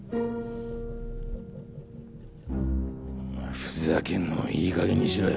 お前ふざけんのもいいかげんにしろよ。